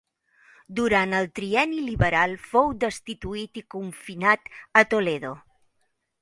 Durant el trienni liberal fou destituït i confinat a Toledo.